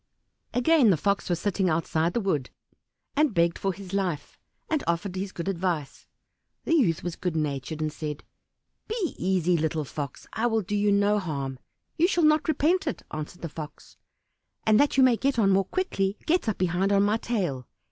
Again the Fox was sitting outside the wood, and begged for his life, and offered his good advice. The youth was good natured, and said, "Be easy, little Fox, I will do you no harm." "You shall not repent it," answered the Fox; "and that you may get on more quickly, get up behind on my tail."